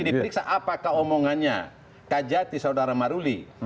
diperiksa apakah omongannya kajati saudara maruli